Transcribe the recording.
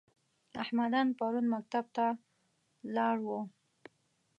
احمدن پرون مکتب ته لاړ و؟